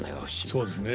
そうですね。